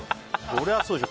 そりゃそうでしょ。